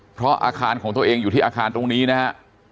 เพราะอาคารของตัวเองอยู่ที่อาคารตรงนี้นะฮะ